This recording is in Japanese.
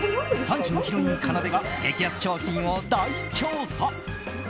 ３時のヒロイン・かなでが激安商品を大調査。